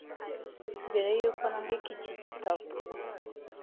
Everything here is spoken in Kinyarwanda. Mbere y’uko nandika iki gitabo,